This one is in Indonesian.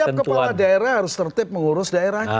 setiap kepala daerah harus tertip mengurus daerahnya